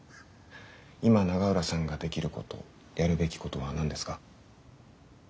今永浦さんができることやるべきことは何ですか？